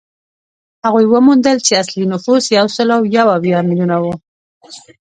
هغوی وموندل چې اصلي نفوس یو سل یو اویا میلیونه وو.